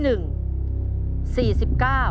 ตัวเลือดที่๒๕๐